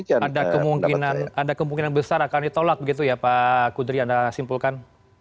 ada kemungkinan ada kemungkinan besar akan ditolak begitu ya pak kudri anda simpulkan